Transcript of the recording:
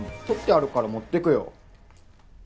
取ってあるから持ってくよ。